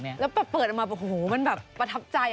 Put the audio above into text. แล้วแบบเปิดออกมาโอ้โหมันแบบประทับใจ